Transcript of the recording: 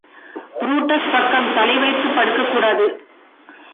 Brutus பக்கம் தலைவைத்துப் படுக்கக்கூடாது!